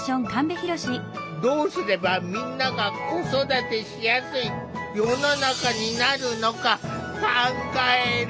どうすればみんなが子育てしやすい世の中になるのか考える。